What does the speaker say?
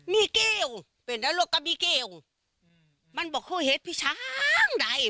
มีเกลียวเป็นนรกก็มีเกลียวมันบอกโคเฮศพี่ช้างได้